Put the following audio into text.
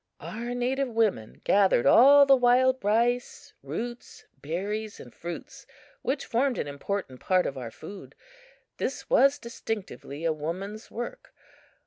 Our native women gathered all the wild rice, roots, berries and fruits which formed an important part of our food. This was distinctively a woman's work.